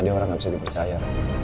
dia orang nggak bisa dipercaya